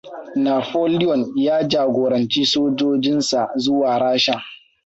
Napoleon ya jagoranci sojojinsa zuwa Rasha.